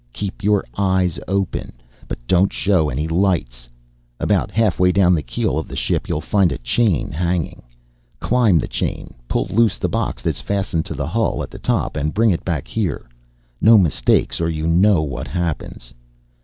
Keep your eyes open, but don't show any lights! About halfway down the keel of the ship you'll find a chain hanging. "Climb the chain, pull loose the box that's fastened to the hull at the top and bring it back here. No mistakes or you know what happens."